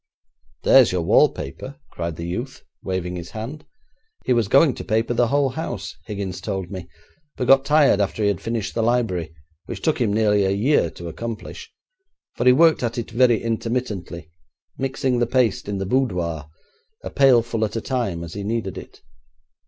'There's your wallpaper,' cried the youth, waving his hand; 'he was going to paper the whole house, Higgins told me, but got tired after he had finished the library, which took him nearly a year to accomplish, for he worked at it very intermittently, mixing the paste in the boudoir, a pailful at a time as he needed it.